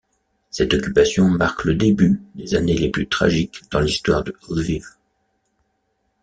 Cette occupation marque le début des années les plus tragiques dans l'histoire de Lviv.